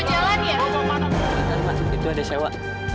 nanti masuk gitu ada sewa